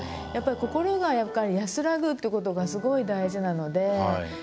やっぱり心が安らぐってことがすごい大事なので。